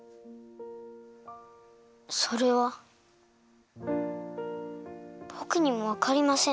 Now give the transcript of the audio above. それはぼくにもわかりません。